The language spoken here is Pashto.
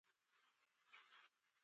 خپلې ګټې د ملت له ګټو غوره ونه ګڼل شي .